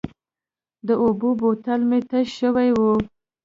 د اوبو بوتل مې تش شوی و.